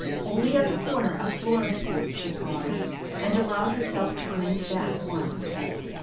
Only at the corner of Flora Street she paused, and allowed herself to glance back once.